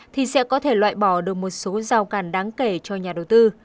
thì sẽ có thể loại bỏ được một số rào càn đáng kể cho nhà đầu tư